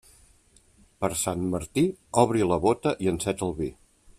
Per Sant Martí, obri la bóta i enceta el vi.